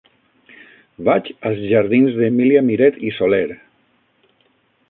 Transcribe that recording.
Vaig als jardins d'Emília Miret i Soler.